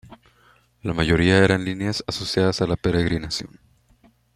La mayoría eran líneas asociadas a la peregrinación.